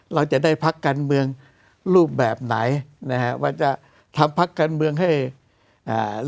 เราจะได้พักการเมืองรูปแบบไหนนะฮะว่าจะทำพักการเมืองให้อ่า